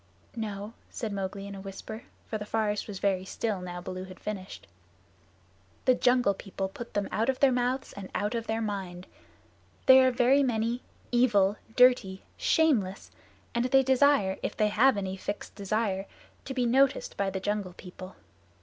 "No," said Mowgli in a whisper, for the forest was very still now Baloo had finished. "The Jungle People put them out of their mouths and out of their minds. They are very many, evil, dirty, shameless, and they desire, if they have any fixed desire, to be noticed by the Jungle People.